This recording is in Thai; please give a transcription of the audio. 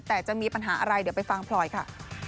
แต่จะมีปัญหาอะไรเดี๋ยวไปฟังพลอยค่ะ